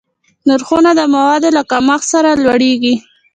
نرخونه د موادو له کمښت سره لوړېږي.